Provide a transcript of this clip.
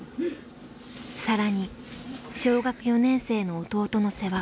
更に小学４年生の弟の世話。